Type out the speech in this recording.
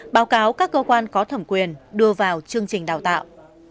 báo cáo các cơ quan có thẩm quyền đưa vào chương trình đào tạo